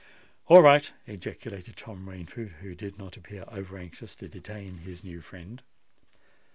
"All right," ejaculated Tom Rainford, who did not appear over anxious to detain his new friend.